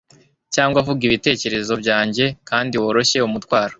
cyangwa vuga ibitekerezo byanjye kandi woroshye umutwaro ..